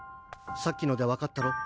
さっきので分かったろ？